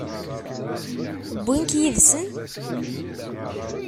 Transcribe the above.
Wwin-k yid-sen?